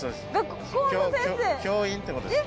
教員ってことです。